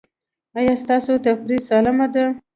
ایا ستاسو تفریح سالمه ده؟